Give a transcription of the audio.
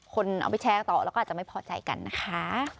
คนเอาไปแชร์ต่อแล้วก็อาจจะไม่พอใจกันนะคะ